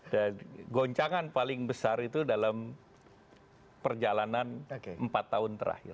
dan goncangan paling besar itu dalam perjalanan empat tahun terakhir